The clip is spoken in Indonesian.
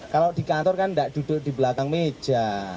kalau di kantor kan tidak duduk di belakang meja